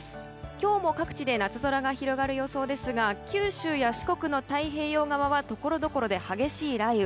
今日も各地で夏空が広がる予想ですが九州や四国の太平洋側はところどころで激しい雷雨。